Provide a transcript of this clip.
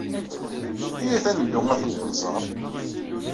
Iyyat ad neddu ad tent-nẓer.